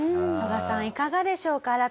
ソガさんいかがでしょうか？